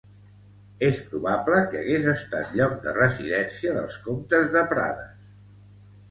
És probable que hagués estat lloc de residència dels comtes de Prades.